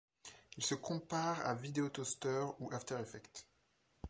Il se compare à Video Toaster ou After Effects.